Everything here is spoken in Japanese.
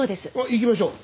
行きましょう。